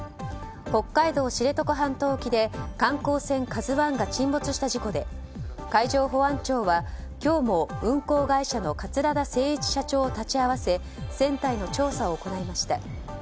北海道知床半島沖で観光船「ＫＡＺＵ１」が沈没した事故で、海上保安庁は今日も運航会社の桂田精一社長を立ち会わせ船体の調査を行いました。